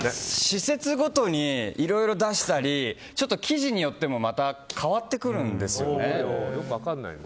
施設ごとに、いろいろ出したりちょっと生地によっても変わってくるんですよね。